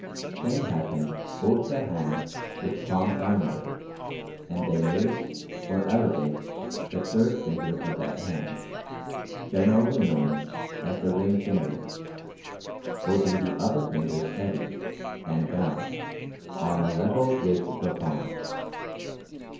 Then have him hold the hand with palm downward, and then raise, or elevate, the third finger of that hand (generally known as the "ring finger") holding the other fingers steady, and down, on a level with the palm.